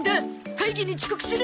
会議に遅刻する！